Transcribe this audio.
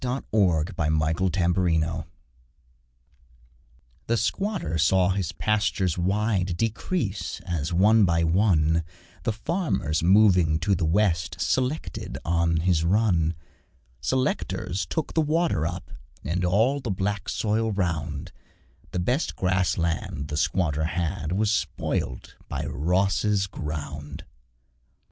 The Fire at Ross's Farm The squatter saw his pastures wide Decrease, as one by one The farmers moving to the west Selected on his run; Selectors took the water up And all the black soil round; The best grass land the squatter had Was spoilt by Ross's Ground.